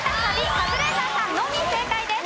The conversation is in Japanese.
カズレーザーさんのみ正解です。